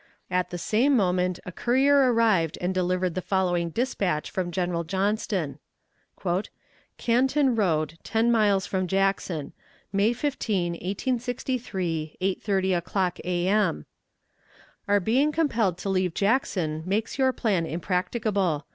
At the same moment a courier arrived and delivered the following dispatch from General Johnston: "CANTON ROAD, TEN MILES FROM JACKSON, "May 15, 1863, 8.30 o'clock A.M. "Our being compelled to leave Jackson makes your plan impracticable.